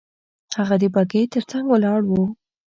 هغه د بګۍ تر څنګ ولاړ وو.